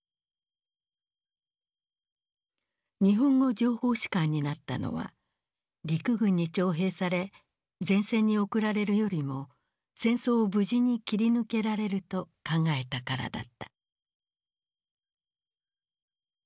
日本語情報士官になったのは陸軍に徴兵され前線に送られるよりも戦争を無事に切り抜けられると考えたからだった。